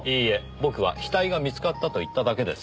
僕は死体が見つかったと言っただけです。